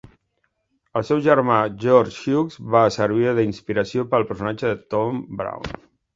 El seu germà, George Hughes, va servir d'inspiració per al personatge de Tom Brown.